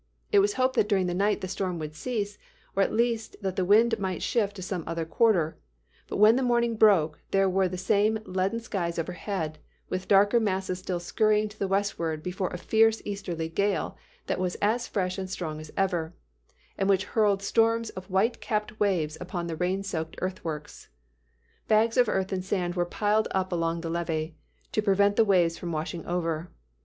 It was hoped that during the night the storm would cease, or at least that the wind might shift to some other quarter, but when the morning broke there were the same leaden skies overhead, with darker masses still scurrying to the westward before a fierce easterly gale that was as fresh and strong as ever, and which hurled storms of white capped waves upon the rain soaked earthworks. Bags of earth and sand were piled up along the levee, to prevent the waves from washing over.